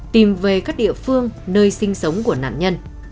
tìm về các địa phương nơi sinh sống của nạn nhân